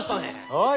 はい！